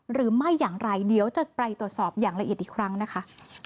หรือไม่อย่างไรเดี๋ยวจะไปตรวจสอบอย่างละเอียดอีกครั้งนะคะ